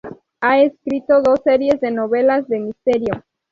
Ha escrito dos series de novelas de misterio.